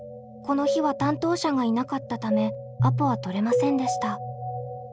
この日は担当者がいなかったためアポは取れませんでした。